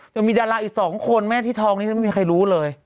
จะมีดาราอีกสองคนไหมที่ท้องนี่มีใครรู้เลย